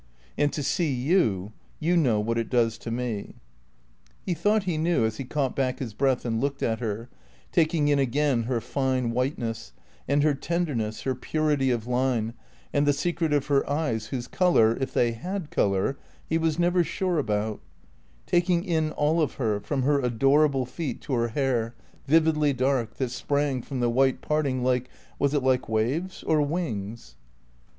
"And to see you you know what it does to me." He thought he knew as he caught back his breath and looked at her, taking in again her fine whiteness, and her tenderness, her purity of line, and the secret of her eyes whose colour (if they had colour) he was never sure about; taking in all of her, from her adorable feet to her hair, vividly dark, that sprang from the white parting like was it like waves or wings?